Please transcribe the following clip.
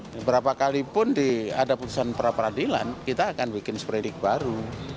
beberapa kalipun ada putusan pra peradilan kita akan bikin seperindik baru